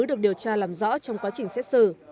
được điều tra làm rõ trong quá trình xét xử